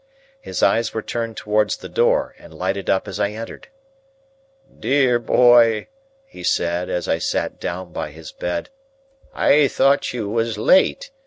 His eyes were turned towards the door, and lighted up as I entered. "Dear boy," he said, as I sat down by his bed: "I thought you was late.